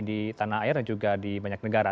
di tanah air dan juga di banyak negara